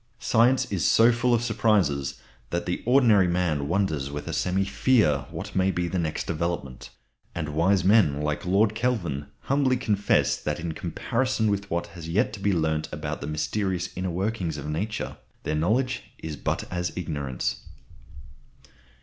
Science is so full of surprises that the ordinary man wonders with a semi fear what may be the next development; and wise men like Lord Kelvin humbly confess that in comparison with what has yet to be learnt about the mysterious inner workings of Nature their knowledge is but as ignorance.